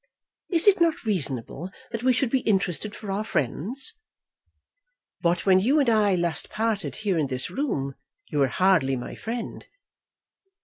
"Is it not reasonable that we should be interested for our friends?" "But when you and I last parted here in this room you were hardly my friend."